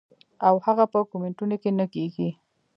او هغه پۀ کمنټونو کښې نۀ کيږي -